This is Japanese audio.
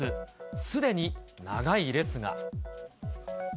すでに長い列が。